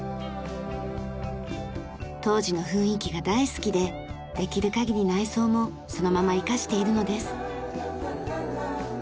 当時の雰囲気が大好きでできる限り内装もそのまま生かしているのです。